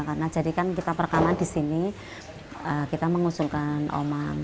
karena jadikan kita perekaman di sini kita mengusulkan omang